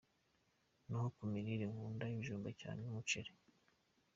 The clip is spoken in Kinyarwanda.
Naho ku mirire nkunda ibijumba cyane, n'umuceri.